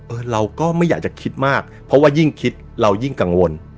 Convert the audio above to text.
เราก็ไม่อยากจะคิดมากเพราะว่ายิ่งคิดเรายิ่งกังวล